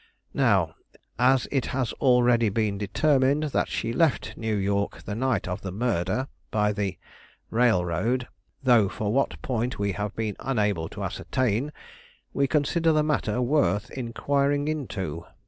Now, as it has already been determined that she left New York the night of the murder, by the Railroad, though for what point we have been unable to ascertain, we consider the matter worth inquiring into."